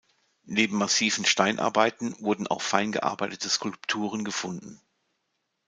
Neben massiven Steinarbeiten wurden auch fein gearbeitete Skulpturen gefunden.